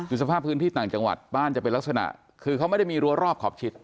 คือสภาพพื้นที่ต่างจังหวัดบ้านจะเป็นลักษณะคือเขาไม่ได้มีรัวรอบขอบชิด